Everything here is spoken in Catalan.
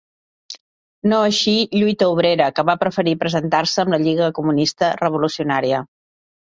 No així, Lluita Obrera, que va preferir presentar-se amb la Lliga Comunista Revolucionària.